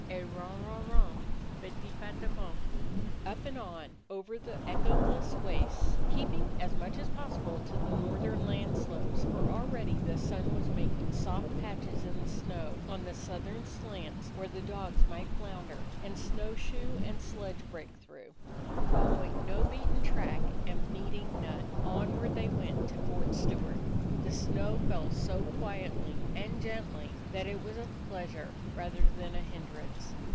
Et ron ron ron, petit pat a pon. k Up and on over the echoless wastes, keep ing as much as possible to the northern land slopes; for already the sun was making soft patches in the snow on the southern slants, 37 DOG HEROES OF MANY LANDS where the dogs might flounder, and snow shoe and sledge break through. Following no beaten track and needing none, onward they went to Fort Stewart. The snow fell so quietly and gently that it was a pleasure rather than a hindrance.